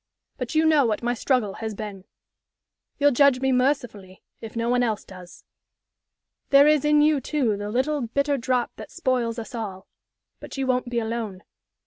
But you know what my struggle has been. You'll judge me mercifully, if no one else does. There is in you, too, the little, bitter drop that spoils us all; but you won't be alone.